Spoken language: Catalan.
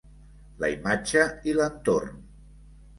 La imatge i l'entorn